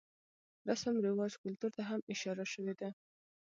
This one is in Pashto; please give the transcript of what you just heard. رسم رواج ،کلتور ته هم اشاره شوې ده.